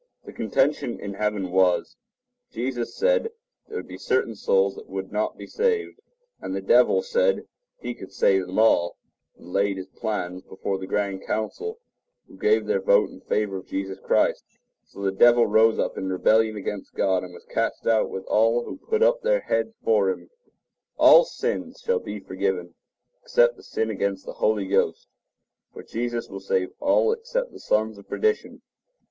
The contention in heaven was—Jesus said there would be certain souls that would not be saved; and the devil said he could save them all, and laid his plans before the grand council, who gave their vote in favor of Jesus Christ. So the devil rose up in rebellion against God, and was cast down, with all who put up their heads for him. (Book of Moses—Pearl of Great Price, Chap. 4:1 4; Book of Abraham, Chap. 3:23 28.) The Forgiveness of Sins[edit] All sins shall be forgiven, except the sin against the Holy Ghost; for Jesus will save all except the sons of perdition.